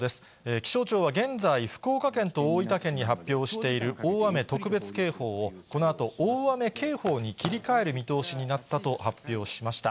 気象庁は現在、福岡県と大分県に発表している大雨特別警報を、このあと大雨警報に切り替える見通しになったと発表しました。